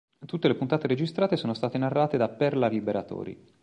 Tutte le puntate registrate sono state narrate da Perla Liberatori.